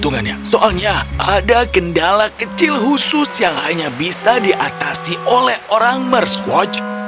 untungannya soalnya ada kendala kecil khusus yang hanya bisa diatasi oleh orang mer squatch